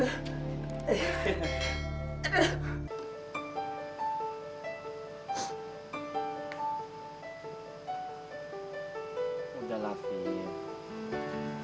udah lah vina